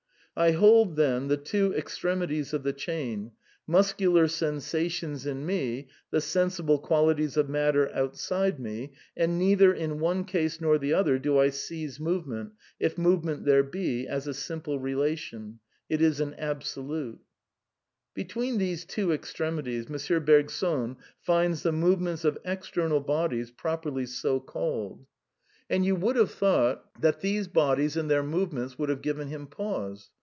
I hold, then, the two extremities of the chain, muscular sensations in me, the sensible qualities of matter outside me, and neither in one case nor the other do I seize movement, if movement there be, as a simple relation : it is an absolute." (La matiere et la Memoire, page 217.) Between these two extremities M. Bergson finds the movements of external bodies properly so called. And VITALISM 49 you would have thought that these bodies and their move ments might have given him pause.